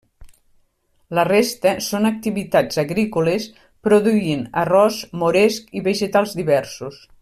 La resta són activitats agrícoles produint arròs, moresc, i vegetals diversos.